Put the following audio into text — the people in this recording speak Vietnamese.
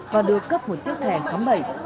và đưa cấp một chiếc thẻ khám bệnh